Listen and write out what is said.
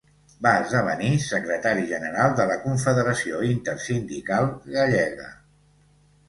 Va esdevenir secretari general de la Confederació Intersindical Gallega.